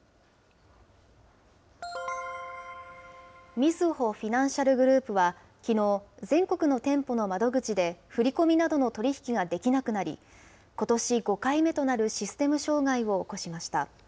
みずほフィナンシャルグループは、きのう、全国の店舗の窓口で振り込みなどの取り引きができなくなり、ことし５回目となるシステム障害を起こしました。